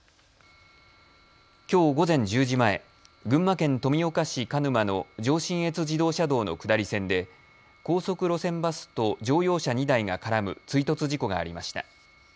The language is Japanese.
きょう午前１０時前、群馬県富岡市蚊沼の上信越自動車道の下り線で高速路線バスと乗用車２台が絡む追突事故がありました。